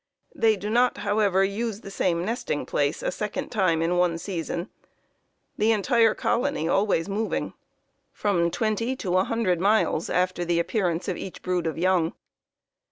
They do not, however, use the same nesting place a second time in one season, the entire colony always moving from 20 to 100 miles after the appearance of each brood of young.